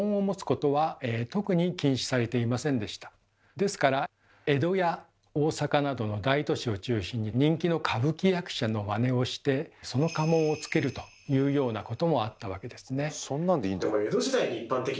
ですから江戸や大坂などの大都市を中心に人気の歌舞伎役者のまねをしてその家紋をつけるというようなこともあったわけですね。